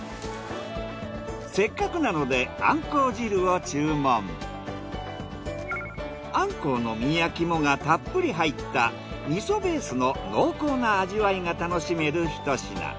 せっかくなのでアンコウの身や肝がたっぷり入った味噌ベースの濃厚な味わいが楽しめるひと品。